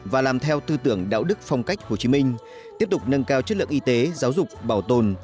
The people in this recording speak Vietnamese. và làm theo tư tưởng đạo đức phong cách hồ chí minh tiếp tục nâng cao chất lượng y tế giáo dục bảo tồn